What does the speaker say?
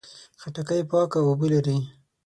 خټکی پاکه اوبه لري.